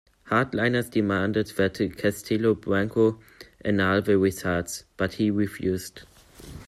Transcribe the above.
Hard-liners demanded that Castelo Branco annul the results, but he refused.